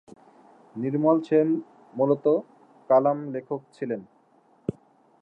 নির্মল সেন মূলত: কলাম লেখক ছিলেন।